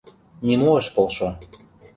Нимо ыш полшо.